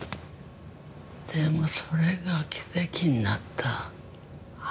でもそれが奇跡になった。